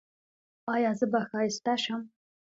ایا زه به ښایسته شم؟